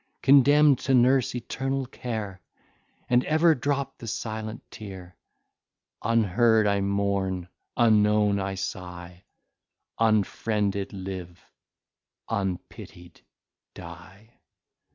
Condemn'd to nurse eternal care, And ever drop the silent tear, Unheard I mourn, unknown I sigh, Unfriended live, unpitied die!